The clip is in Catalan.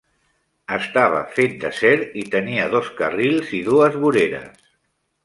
Estava fet d'acer i tenia dos carrils i dues voreres.